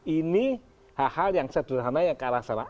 ini hal hal yang sederhana yang ke arah sana